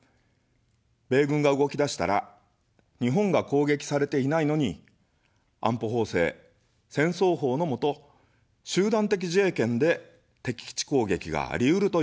米軍が動き出したら、日本が攻撃されていないのに、安保法制、戦争法のもと、集団的自衛権で敵基地攻撃がありうるというのです。